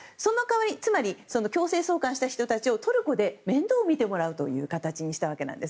つまり強制送還した人たちをトルコで面倒見てもらう形にしたわけです。